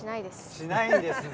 しないんですね。